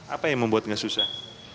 apa yang membuat nggak susah